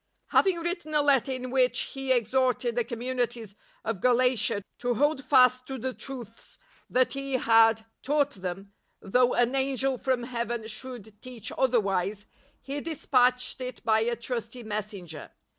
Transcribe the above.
Having written a letter in wLich he ex horted the communities of Galatia to hold fast to the truths that he had taught them, though " an angel from Heaven should teach other wise," he despatched it by a trusty messenger.